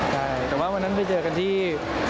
ใช่แต่ว่าวันนั้นไปเจอกันที่